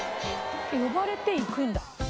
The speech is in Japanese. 呼ばれて行くんだ。